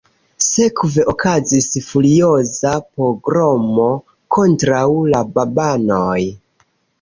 Sekve okazis furioza pogromo kontraŭ la babanoj.